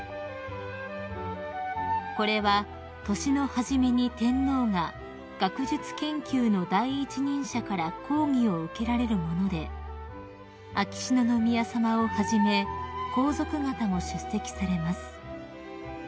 ［これは年の初めに天皇が学術研究の第一人者から講義を受けられるもので秋篠宮さまをはじめ皇族方も出席されます］